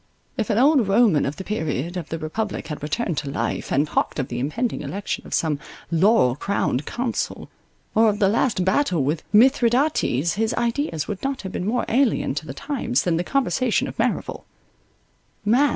If an old Roman of the period of the Republic had returned to life, and talked of the impending election of some laurel crowned consul, or of the last battle with Mithridates, his ideas would not have been more alien to the times, than the conversation of Merrival.